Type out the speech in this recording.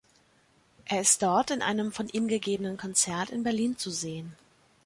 Er ist dort in einem von ihm gegebenen Konzert in Berlin zu sehen.